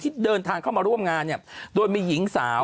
ที่เดินทางเข้ามาร่วมงานเนี่ยโดยมีหญิงสาว